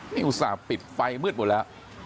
นี่อุตส่าห์ปิดไฟมืดหมดแล้ว